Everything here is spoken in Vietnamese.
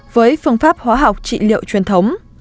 với phương pháp hóa học trị liệu truyền thống